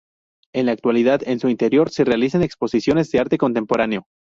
En la actualidad en su interior se realizan exposiciones de arte contemporáneo.